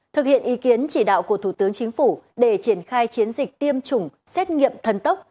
thực hiện ý kiến chỉ đạo của thủ tướng chính phủ để triển khai chiến dịch tiêm chủng xét nghiệm thần tốc